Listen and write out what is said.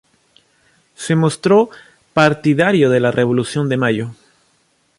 Se mostró partidario de la Revolución de Mayo.